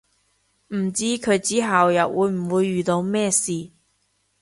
唔知佢之後又會唔會遇到咩事